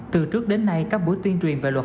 từ trước đến nay các buổi tuyên truyền về luật